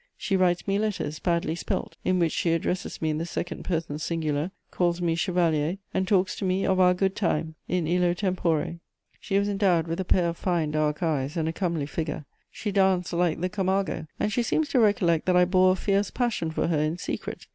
She writes me letters, badly spelt, in which she addresses me in the second person singular, calls me "chevalier," and talks to me of our good time: in illo tempore. She was endowed with a pair of fine dark eyes and a comely figure; she danced like the Camargo, and she seems to recollect that I bore a fierce passion for her in secret.